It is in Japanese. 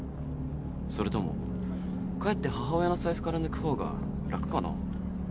それとも帰って母親の財布から抜く方が楽かな？